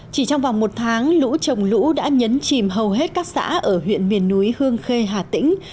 chỉ trong vòng một tháng lũ trồng lũ đã nhấn chìm hầu hết các xã ở huyện miền núi hương khê hà tĩnh